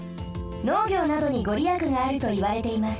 農業などにごりやくがあるといわれています。